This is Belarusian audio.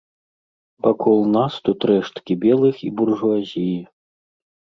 Вакол нас тут рэшткі белых і буржуазіі.